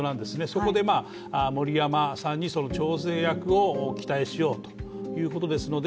そこで森山さんに調整役を期待しようということですので